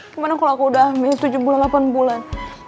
gimana kalau aku udah milih tujuh bulan delapan bulan